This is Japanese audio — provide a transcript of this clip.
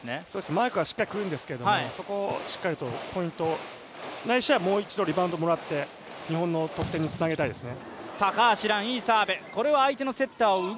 マークはしっかり来るんですけどそこをしっかりとポイントをないしはもう一度リバウンドをもらって日本の得点につなげたいですね。